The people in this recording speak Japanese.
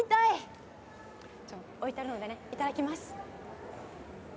置いてあるのでねいただきます。